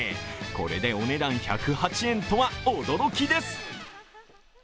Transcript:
これでお値段１０８円とは驚きです。